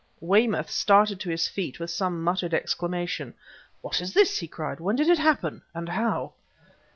Weymouth started to his feet with some muttered exclamation. "What is this?" he cried. "When did it happen, and how?"